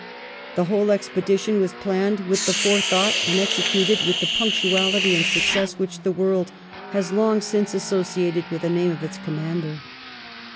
The whole expedition was planned with the forethought, and executed with the punctuality and success, which the world had long since associated with the name of its commander.